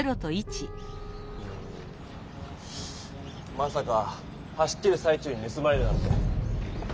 まさか走ってるさい中にぬすまれるなんて。